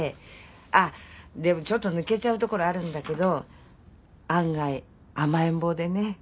あっでもちょっと抜けちゃうところあるんだけど案外甘えん坊でね。